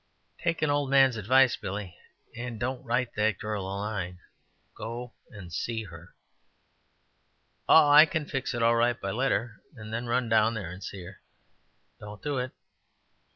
"Take an old man's advice, Billy, and don't write that girl a line go and see her." "Oh, I can fix it all right by letter, and then run down there and see her." "Don't do it."